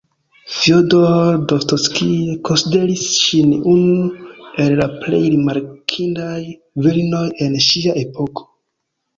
Fjodor Dostojevskij konsideris ŝin unu el la plej rimarkindaj virinoj en ŝia epoko.